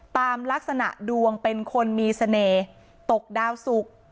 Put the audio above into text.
ตามลักษณะดวงเป็นคนมีเสน่ห์ตกดาวสุก